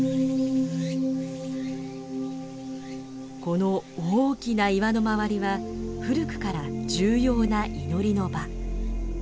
この大きな岩の周りは古くから重要な祈りの場。